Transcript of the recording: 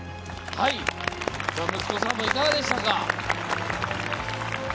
息子さんもいかがでしたか。